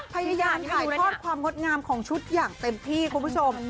พยายามถ่ายทอดความงดงามของชุดอย่างเต็มที่คุณผู้ชม